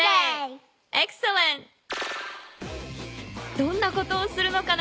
どんなことをするのかな？